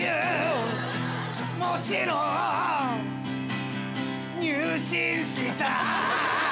「もちろん」「入信した」